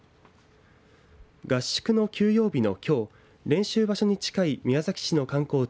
合宿の休養日のきょう練習場所に近い宮崎市の観光地